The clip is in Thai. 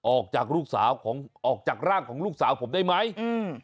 ออกจากลูกสาวของออกจากร่างของลูกสาวผมได้ไหมอืม